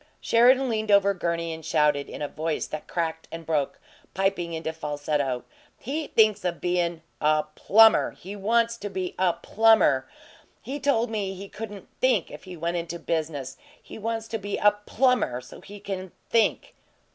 Sheridan leaned over Gurney and shouted, in a voice that cracked and broke, piping into falsetto: "He thinks of bein' a PLUMBER! He wants to be a PLUMBER! He told me he couldn't THINK if he went into business he wants to be a plumber so he can THINK!"